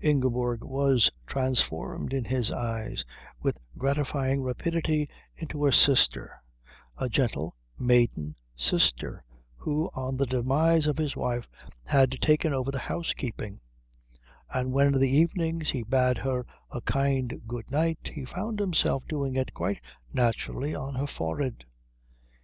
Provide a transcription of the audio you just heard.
Ingeborg was transformed in his eyes with gratifying rapidity into a sister a gentle maiden sister who on the demise of his wife had taken over the housekeeping; and when in the evenings he bade her a kind good night he found himself doing it quite naturally on her forehead.